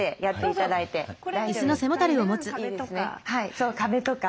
そう壁とか。